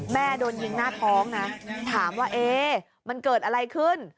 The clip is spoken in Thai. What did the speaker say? โดนยิงหน้าท้องนะถามว่าเอ๊ะมันเกิดอะไรขึ้น